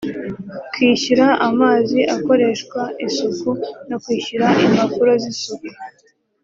kwishyura amazi akoreshwa isuku no kwishyura impapuro z’ isuku